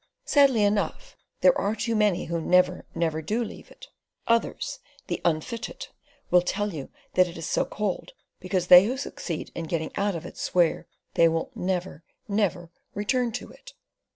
Sadly enough, there are too many who Never Never do leave it. Others—the unfitted—will tell you that it is so called because they who succeed in getting out of it swear they will Never Never return to it.